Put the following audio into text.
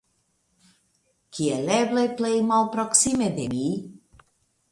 Kiel eble plej malproksime de mi.